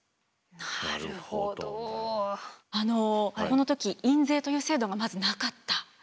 この時印税という制度がまずなかった。